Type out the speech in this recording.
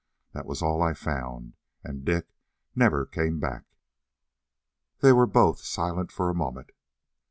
That was all I found, and Dick never came back." They were both silent for a moment.